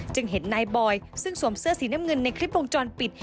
จึงเห็นนายบอยซึ่งสวมเสื้อสีน้ำเงินในคลิปวงจรปิด